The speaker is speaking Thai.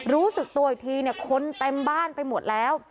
รู้สึกตัวอีกทีเนี่ยคนเต็มบ้านไปหมดแล้ว